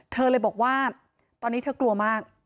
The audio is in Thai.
เธอเลยบอกว่าตอนนี้เธอกลัวมาก